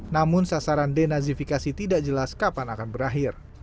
namun sasaran denazifikasi tidak jelas kapan akan berakhir